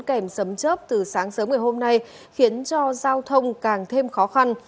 kèm sấm chớp từ sáng sớm ngày hôm nay khiến cho giao thông càng thêm khó khăn